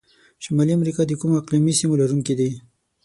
شمالي امریکا د کومو اقلیمي سیمو لرونکي ده؟